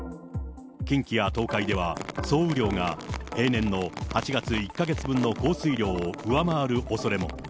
近畿や東海では総雨量が平年の８月１か月分の降水量を上回るおそれも。